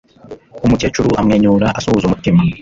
Umukecuru amwenyura asuhuza umutima.